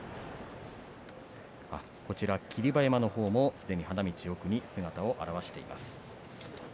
霧馬山のほうも、すでに花道奥に姿を現しています。